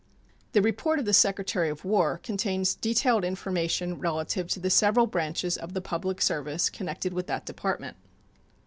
The report of the Secretary of War contains detailed information relative to the several branches of the public service connected with that Department.